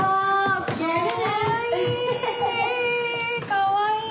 かわいい。